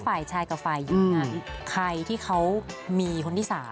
ฝ่ายชายกับฝ่ายหญิงนั้นใครที่เขามีคนที่๓